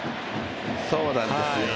そうなんですよ。